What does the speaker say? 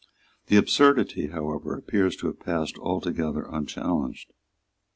The absurdity however appears to have passed altogether unchallenged.